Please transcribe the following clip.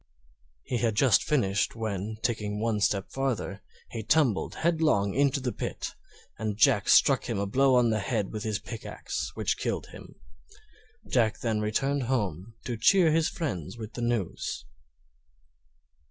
He had just finished, when, taking one step farther, he tumbled headlong into the pit, and Jack struck him a blow on the head with his pickaxe which killed him. Jack then returned home to cheer his friends with the news.